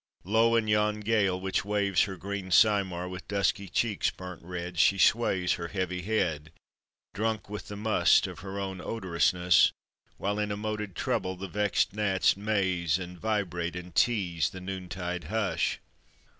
Lo, in yon gale which waves her green cymar, With dusky cheeks burnt red She sways her heavy head, Drunk with the must of her own odorousness; While in a moted trouble the vexed gnats Maze, and vibrate, and tease the noontide hush.